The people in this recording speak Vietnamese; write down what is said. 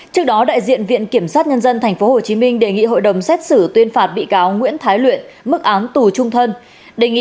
trước đó đại diện viện kiểm sát nhân dân tp hcm đề nghị hội đồng xét xử tuyên phạt bị cáo nguyễn thái luyện mức án tù trung thân